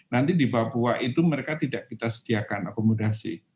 nanti di papua itu mereka tidak kita sediakan akomodasi